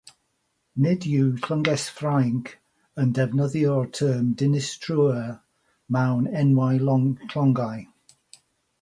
Nid yw Llynges Ffrainc yn defnyddio'r term "dinistriwr" mewn enwau llongau.